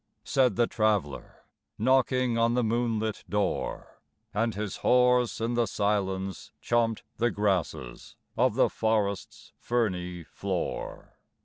said the Traveler, Knocking on the moonlit door; And his horse in the silence chomped the grasses Of the forest's ferny floor.